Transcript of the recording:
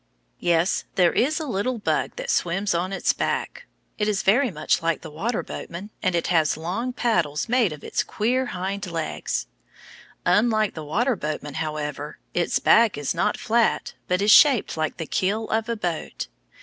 Yes, there is a little bug that swims on its back. It is very much like the water boatman, and it has long paddles made of its queer hind legs. Unlike the water boatman, however, its back is not flat but is shaped like the keel of a boat.